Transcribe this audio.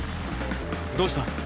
どうした？